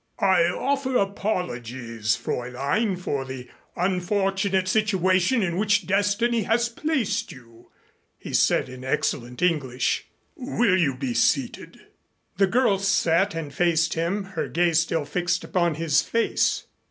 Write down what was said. "I offer apologies, Fräulein, for the unfortunate situation in which Destiny has placed you," he said in excellent English. "Will you be seated?" The girl sat and faced him, her gaze still fixed upon his face.